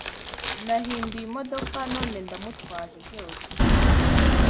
Nahinduye imodoka none ndamutwaje byose